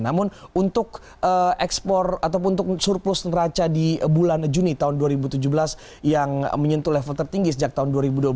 namun untuk ekspor ataupun untuk surplus neraca di bulan juni tahun dua ribu tujuh belas yang menyentuh level tertinggi sejak tahun dua ribu dua belas